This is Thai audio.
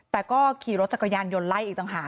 แต่ก็ขี่รถจักรยานยนต์ไล่อีกต่างหาก